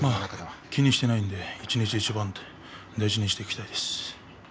気にしていないので一日一番大事にしていきたいです。